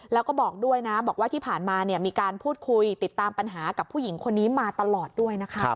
แล้วก็บอกด้วยนะบอกว่าที่ผ่านมามีการพูดคุยติดตามปัญหากับผู้หญิงคนนี้มาตลอดด้วยนะคะ